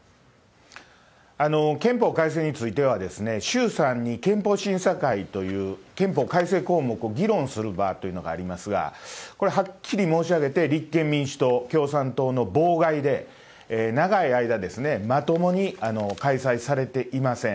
憲法改正については、衆参に憲法審査会という、憲法改正項目を議論する場というのがありますが、これ、はっきり申し上げて、立憲民主党、共産党の妨害で、長い間、まともに開催されていません。